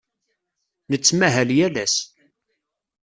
Nettmahal yal ass.